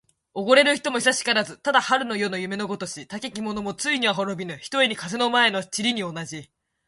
おごれる人も久しからず。ただ春の夜の夢のごとし。たけき者もついには滅びぬ、ひとえに風の前の塵に同じ。